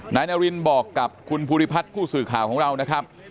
นายนารินบอกกับคุณภูริพัฒน์ผู้สื่อข่าวของเรานะครับ